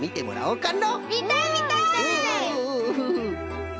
うん！